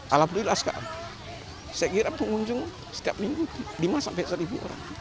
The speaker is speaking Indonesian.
alhamdulillah sekarang saya kira pengunjung setiap minggu lima sampai seribu orang